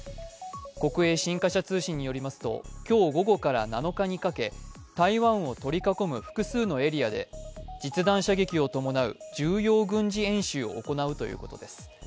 国営新華社通信によりますと、今日午後から７日にかけ台湾を取り囲む複数のエリアで実弾射撃を伴う重要軍事演習を行うということです。